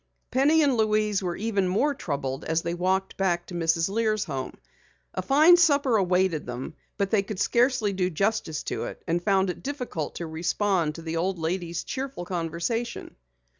Penny and Louise were even more troubled as they walked back to Mrs. Lear's home. A fine supper awaited them. They scarcely did justice to it and found it difficult to respond to the old lady's cheerful conversation.